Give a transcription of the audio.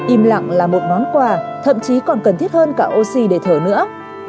im lặng là một món quà thậm chí còn cần thiết hơn cả oxy để thở nữa